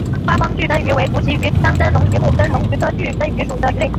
发光炬灯鱼为辐鳍鱼纲灯笼鱼目灯笼鱼科炬灯鱼属的鱼类。